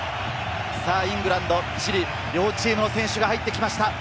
さぁ、イングランド、チリ、両チームの選手が入ってきました。